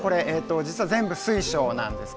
全部水晶なんです。